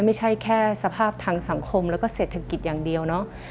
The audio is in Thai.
ไม่ใช่แค่สภาพทางสังคมแล้วก็เศรษฐกิจอย่างเดียวเนาะ